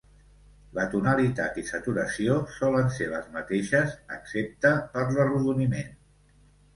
La tonalitat i saturació solen ser les mateixes, excepte per l'arrodoniment.